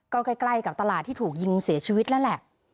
ก็ใกล้กับตลาดที่ถูกยิงเสียชีวิตแล้วแหละ